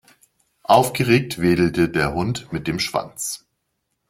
Aufgeregt wedelte der Hund mit dem Schwanz.